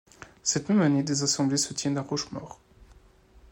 Cette même année des assemblées se tiennent à Rochemaure.